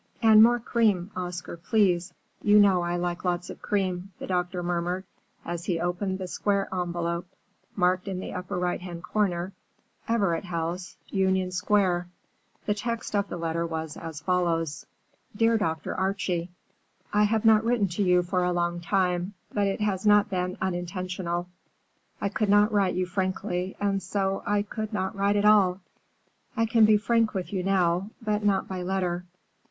"And more cream, Oscar, please. You know I like lots of cream," the doctor murmured, as he opened the square envelope, marked in the upper right hand corner, "Everett House, Union Square." The text of the letter was as follows:— DEAR DOCTOR ARCHIE:— I have not written to you for a long time, but it has not been unintentional. I could not write you frankly, and so I would not write at all. I can be frank with you now, but not by letter.